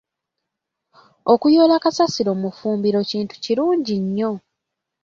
Okuyoola kasasiro mu ffumbiro kintu kirungi nnyo.